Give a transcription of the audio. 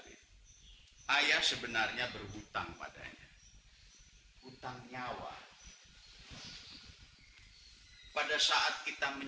kita sembarang relatives